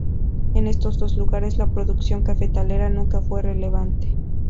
En estos dos lugares la producción cafetalera nunca fue relevante.